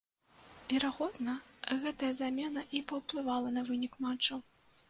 Верагодна, гэтая замена і паўплывала на вынік матчу.